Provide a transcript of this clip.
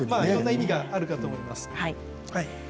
いろんな意味があろうかと思います。